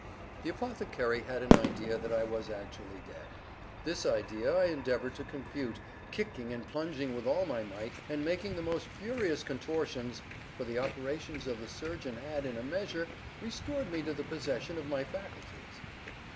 The apothecary had an idea that I was actually dead. This idea I endeavored to confute, kicking and plunging with all my might, and making the most furious contortions—for the operations of the surgeon had, in a measure, restored me to the possession of my faculties.